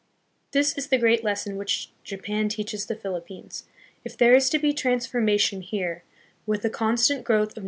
This is the great lesson which Japan teaches the Philippines. If there is to be transformation here, with a constant growth of 12 THE PHILIPPINES.